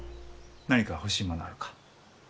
何か欲しいものはあるか？